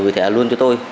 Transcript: với thẻ luôn cho tôi